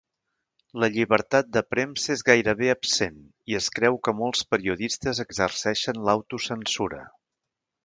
La llibertat de premsa és gairebé absent i es creu que molts periodistes exerceixen l'autocensura.